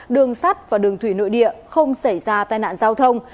đường sắt và đường thủy nội địa không xảy ra tai nạn giao thông